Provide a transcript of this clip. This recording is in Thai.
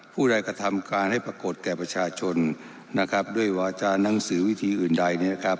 ผู้ใดกระทำการให้ปรากฏแก่ประชาชนด้วยวาจารณ์หนังสือวิธีอื่นใด